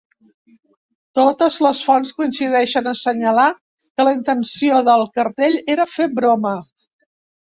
Totes les fonts coincideixen a assenyalar que la intenció del cartell era fer broma.